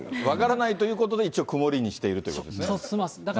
分からないということで、一応、曇りにしているということで本当すみません。